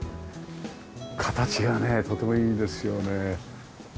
形がねとてもいいですよね。